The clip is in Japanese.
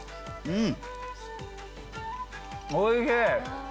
うん！